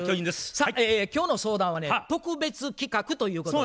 さあ今日の相談はね特別企画ということで。